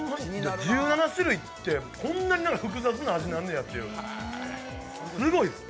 １７種類って、こんなに複雑な味になるんやっていう、すごいです。